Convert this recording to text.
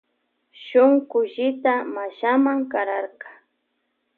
Shunkullita mashama kararka.